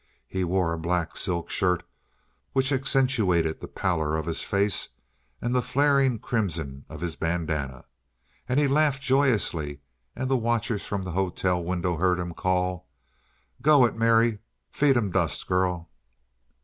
He wore a black silk shirt which accentuated the pallor of his face and the flaring crimson of his bandanna. And he laughed joyously, and the watchers from the hotel window heard him call: "Go it, Mary. Feed 'em dust, girl!"